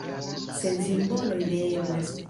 Sen simboloj ne eblas.